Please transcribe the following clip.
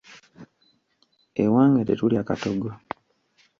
Ewange tetulya katogo.